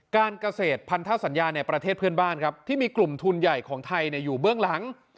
การเกษตรพันธสัญญาในประเทศเพื่อนบ้านครับที่มีกลุ่มทุนใหญ่ของไทยอยู่เบื้องหลัง